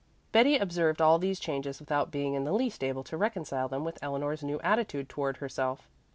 Betty observed all these changes without being in the least able to reconcile them with Eleanor's new attitude toward herself.